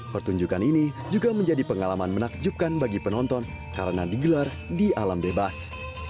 pertunjukan ini juga menjadi pengalaman menakjubkan bagi penonton karena digelar di alam bebas